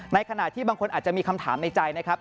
ในขณะที่บางคนอาจจะมีคำถามในใจนะครับ